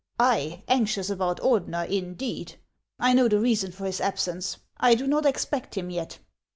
I, anxious about Ordener, indeed ! I know the reason for his absence ; I do not expect him yet."